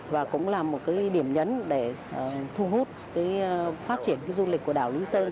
và cũng là một điểm nhấn để thu hút phát triển du lịch của đảo lý sơn